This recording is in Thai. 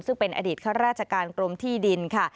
ซึ่งเป็นอดีตข้าราชการกรมที่ดินค่ะ